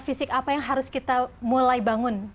fisik apa yang harus kita mulai bangun